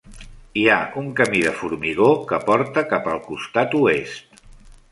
Hi ha un camí de formigó que porta cap al costat oest.